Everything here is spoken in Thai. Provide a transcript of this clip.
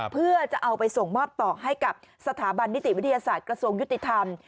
เพื่อจะเอาไปส่งมอบต่อให้กับสถาบันนิติวิทยาศาสตร์กระทรวงยุติธรรม